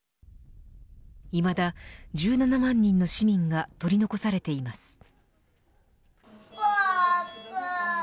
いまだ１７万人の市民が取り残されています。